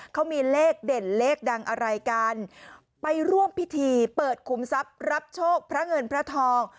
เขามีเลขเด่นเลขดังอะไรกันไปร่วมพิธีเปิดขุมทรัพย์รับโชคพระเงินพระทอง